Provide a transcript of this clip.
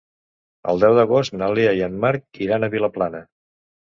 El deu d'agost na Lea i en Marc iran a Vilaplana.